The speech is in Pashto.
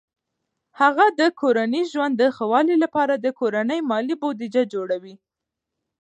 هغه د کورني ژوند د ښه والي لپاره د کورني مالي بودیجه جوړوي.